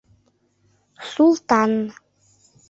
СУЛТАН